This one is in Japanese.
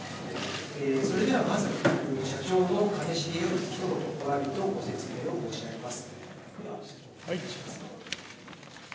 それではまず社長の兼重よりひと言おわびとご説明を申し上げます。